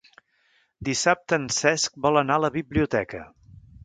Dissabte en Cesc vol anar a la biblioteca.